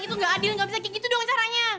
itu gak adil gak bisa kayak gitu doang caranya